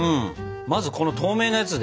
まずこの透明なやつで。